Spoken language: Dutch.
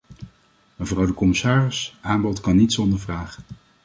Mevrouw de commissaris, aanbod kan niet zonder vraag.